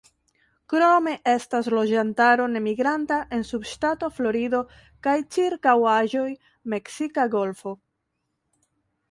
Krome estas loĝantaro nemigranta en subŝtato Florido kaj ĉirkaŭaĵoj -Meksika golfo-.